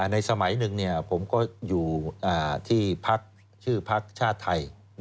ในสมัยหนึ่งผมก็อยู่ที่พักชื่อพักชาติไทย